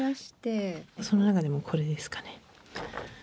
その中でもこれですかね。